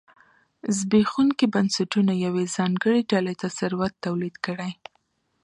زبېښونکي بنسټونه یوې ځانګړې ډلې ته ثروت تولید کړي.